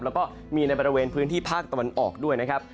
แล้วก็มีในบริเวณพื้นที่ภาคตะวันออกด้วยนะครับ